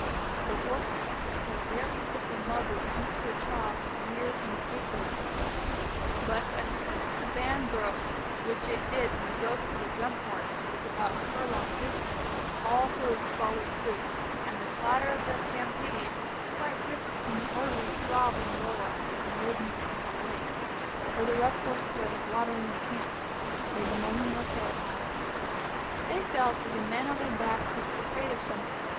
The horses that had barely put their muzzles into the trough's reared and capered; but, as soon as the Band broke, which it did when the ghost of the Drum Horse was about a furlong distant, all hooves followed suit, and the clatter of the stampede quite different from the orderly throb and roar of a movement on parade, or the rough horse play of watering in camp made them only more terrified. They felt that the men on their backs were afraid of something.